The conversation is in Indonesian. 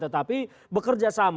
tetapi bekerja sama